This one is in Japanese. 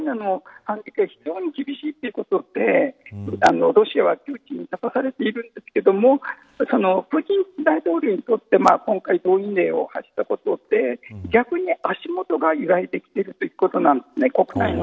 今ウクライナが非常に厳しいということでロシアは窮地に立たされているんですけれどプーチン大統領にとって今回動員令を発したことで逆に足元が揺らいできているということなんですね。